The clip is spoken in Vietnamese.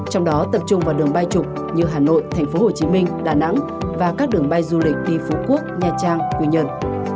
trong đó tập trung vào đường bay trục như hà nội tp hcm đà nẵng và các đường bay du lịch đi phú quốc nha trang quy nhơn